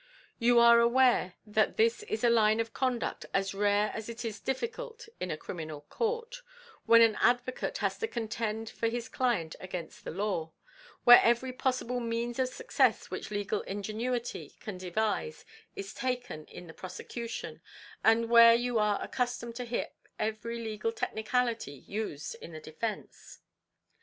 You are aware that this is a line of conduct as rare as it is difficult in a criminal court when an advocate has to contend for his client against the law where every possible means of success which legal ingenuity can devise is taken in the prosecution, and where you are accustomed to hear every legal technicality used in the defence.